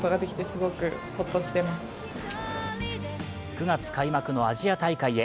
９月開幕のアジア大会へ。